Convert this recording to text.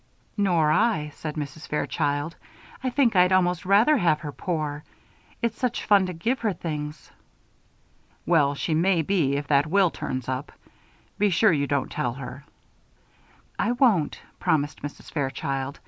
"Nor I," said Mrs. Fairchild. "I think I'd almost rather have her poor it's such fun to give her things." "Well, she may be, if that will turns up. Be sure you don't tell her." "I won't," promised Mrs. Fairchild.